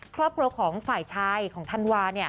ครอบครัวของฝ่ายชายของธันวา